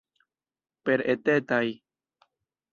Per etetaj.